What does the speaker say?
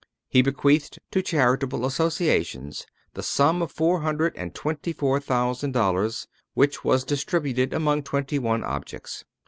He bequeathed to charitable associations the sum of four hundred and twenty four thousand dollars, which was distributed among twenty one objects.